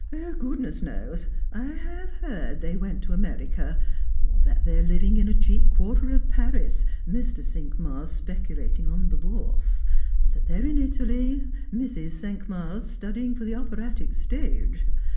" Goodness knows. I have heard that they went to America; that they are living in a cheap quarter of Paris, Mr. Cinqmars speculating on the Bourse ; that they are in Italy, Mrs. Cinq mars studying for the operatic stage.